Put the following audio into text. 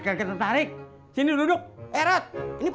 pak bastante masa dulu sudah spring workshop